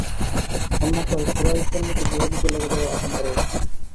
অন্যথায় কুরাইশদের মধ্যে গৃহযুদ্ধ লেগে যাবার আশঙ্কা রয়েছে।